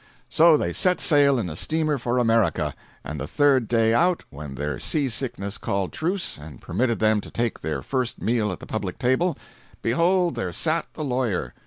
So they set sail in a steamer for America—and the third day out, when their sea sickness called truce and permitted them to take their first meal at the public table, behold there sat the lawyer!